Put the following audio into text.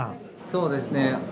そうですね。